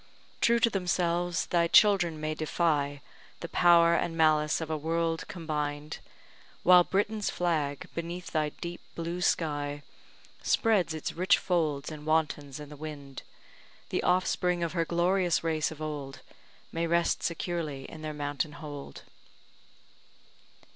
True to themselves, thy children may defy The power and malice of a world combined; While Britain's flag, beneath thy deep blue sky, Spreads its rich folds and wantons in the wind; The offspring of her glorious race of old May rest securely in their mountain hold.